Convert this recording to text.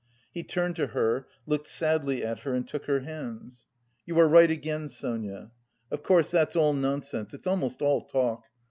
He turned to her, looked sadly at her and took her hands. "You are right again, Sonia. Of course that's all nonsense, it's almost all talk!